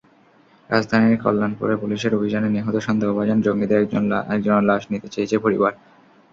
রাজধানীর কল্যাণপুরে পুলিশের অভিযানে নিহত সন্দেহভাজন জঙ্গিদের একজনের লাশ নিতে চেয়েছে পরিবার।